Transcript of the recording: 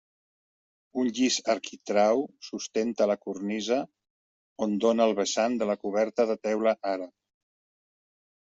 Un llis arquitrau sustenta la cornisa, on dóna el vessant de la coberta de teula àrab.